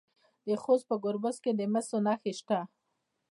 د خوست په ګربز کې د مسو نښې شته.